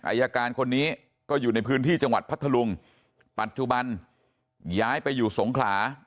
อายการคนนี้ก็อยู่ในพื้นที่จังหวัดพัทธลุงปัจจุบันย้ายไปอยู่สงขลา